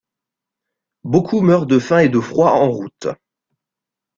Beaucoup meurent de faim et de froid en route.